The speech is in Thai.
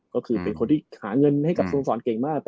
ก็คือเป็นคนที่หาเงินให้กับสโมสรเก่งมาก